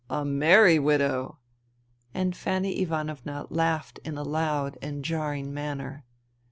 A merry widow !" And Fanny Ivanovna laughed in a loud and jarring manner.